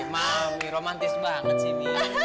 mami romantis banget sih ini